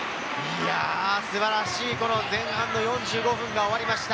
素晴らしい前半の４５分が終わりました。